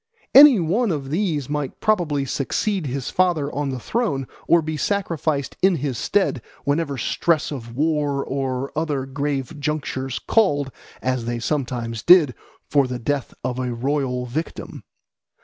Any one of these might probably succeed his father on the throne or be sacrificed in his stead whenever stress of war or other grave junctures called, as they sometimes did, for the death of a royal victim.